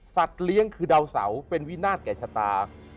เลี้ยงคือดาวเสาเป็นวินาศแก่ชะตา